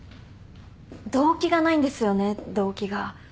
動機がないんですよね動機が。